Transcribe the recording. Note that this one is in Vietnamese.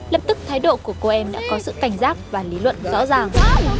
lập tức thái độ của cô em đã có sự cảnh giác và lý luận rõ ràng